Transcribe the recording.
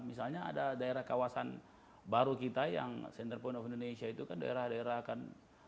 misalnya ada daerah kawasan baru kita yang cenderpoint of indonesia itu kan daerah daerah kan